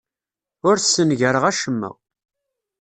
Ur ssengareɣ acemma.